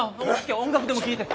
音楽でも聴いて。